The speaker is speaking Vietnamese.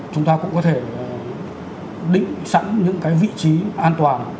chúng ta cũng có thể định sẵn những cái vị trí an toàn